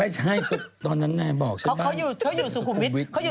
ไม่ใช่ตอนนั้นแม่บอกใช่ไหมครับสุขุมวิทย์เขาอยู่สุขุมวิทย์